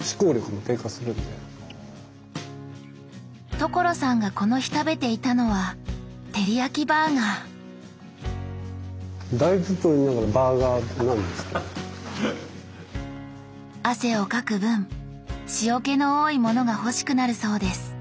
所さんがこの日食べていたのはテリヤキバーガー汗をかく分塩気の多いものが欲しくなるそうです